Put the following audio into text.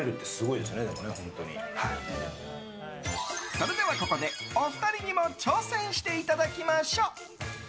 それではここでお二人にも挑戦していただきましょう。